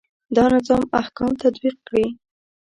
دا نظام احکام تطبیق کړي.